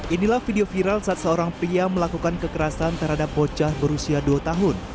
inilah video viral saat seorang pria melakukan kekerasan terhadap bocah berusia dua tahun